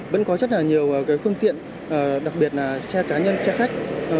vẫn có rất là nhiều phương tiện đặc biệt là xe cá nhân xe khách